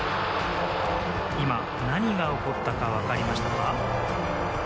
今、何が起こったか分かりましたか？